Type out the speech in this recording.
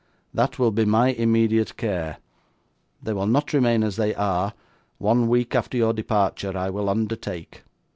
That will be my immediate care; they will not remain as they are, one week after your departure, I will undertake.